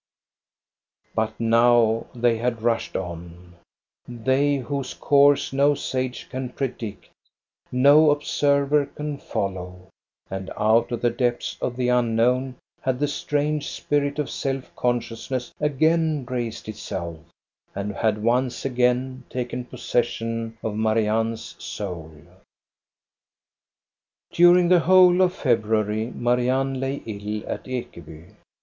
But now they had rushed on, — they whose course no sage can predict, no observer can follow; and out of the depths of the unknown had the strange spirit of self consciousness again raised itself and had once again taken possession of Marianne's soul. During the whole of February Marianne lay ill at Ekeby.